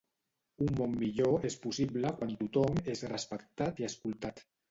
Un món millor és possible quan tothom és respectat i escoltat.